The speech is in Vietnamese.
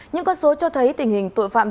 những con số cho thấy tình hình tội phạm